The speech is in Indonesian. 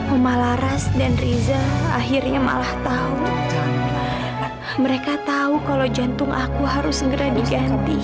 oma laras dan riza akhirnya malah tahu mereka tahu kalau jantung aku harus segera diganti